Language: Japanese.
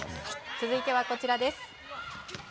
続いては、こちらです。